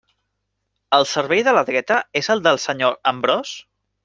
El cervell de la dreta és el del senyor Ambròs?